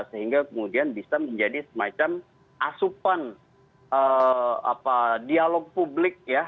sehingga kemudian bisa menjadi semacam asupan dialog publik ya